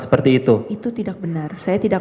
seperti itu itu tidak benar saya tidak